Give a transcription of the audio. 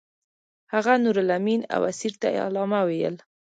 هغه نورالامین او اسیر ته علامه ویل.